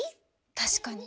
確かに。